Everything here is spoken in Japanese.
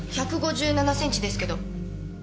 １５７センチですけど。